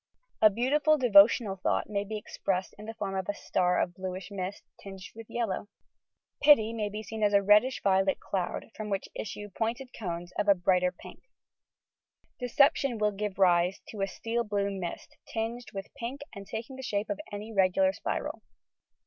A beautiful devotional thought may be expressed in the form of a star of bluish mist, tinged with yellow. Pity may be seen as a reddish violet cloud, from which issue pointed cones of a brighter pink. Deception will give rise to a steel blue mist, tinged with pink and taking the shape of any regular spiral.